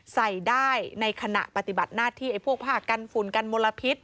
ใส่ได้ในขณะปฏิบัติหน้าที่ไอ้พวกผ้ากันฝุ่นกันมลพิษ